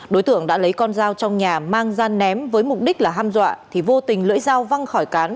đối tượng đã lấy con dao trong nhà mang gian ném với mục đích là ham dọa thì vô tình lưỡi dao văng khỏi cán